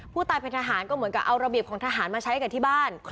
ผู้ตายเป็นทหารก็เหมือนกับเอาระเบียบของทหารมาใช้กับที่บ้าน